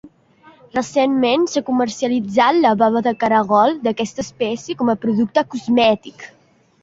Recentment s'ha comercialitzat la bava de caragol d'aquesta espècie com a producte cosmètic.